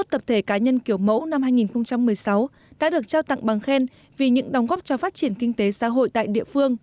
hai mươi tập thể cá nhân kiểu mẫu năm hai nghìn một mươi sáu đã được trao tặng bằng khen vì những đồng góp cho phát triển kinh tế xã hội tại địa phương